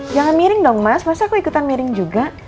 jangan miring dong mas masa aku ikutan miring juga